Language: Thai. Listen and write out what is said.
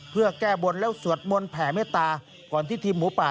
เพื่อแก้บนแล้วสวดมนต์แผ่เมตตาก่อนที่ทีมหมูป่า